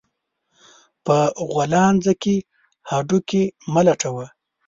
په غولانځه کې هډو کى مه لټوه